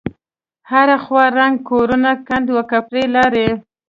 هره خوا ړنگ کورونه کند وکپرې لارې.